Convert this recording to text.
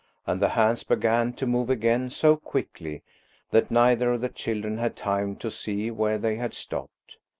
And the hands began to move again so quickly that neither of the children had time to see where they had stopped.